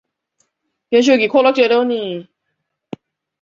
江苏天目湖国家森林公园位于中国江苏省溧阳市南部。